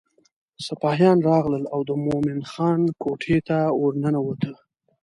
سپاهیان راغلل او د مومن خان کوټې ته ورننوته.